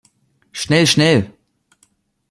Schnell, schnell!